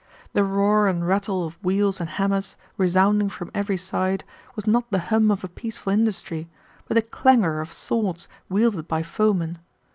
The roar and rattle of wheels and hammers resounding from every side was not the hum of a peaceful industry, but the clangor of swords wielded by foemen.